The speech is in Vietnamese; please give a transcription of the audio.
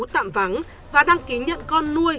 tạm vắng và đăng ký nhận con nuôi